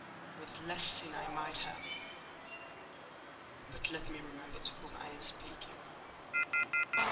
With less sin I might have—But let me remember to whom I am speaking.